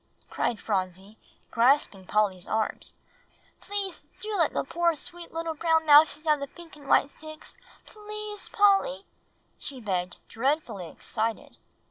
cried Phronsie, grasping Polly's arm, "please do let the poor, sweet little brown mousies have the pink and white sticks. Please, Polly!" she begged, dreadfully excited.